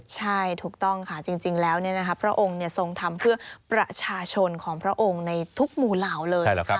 ใช่ถูกต้องค่ะจริงแล้วพระองค์ทรงทำเพื่อประชาชนของพระองค์ในทุกหมู่เหล่าเลย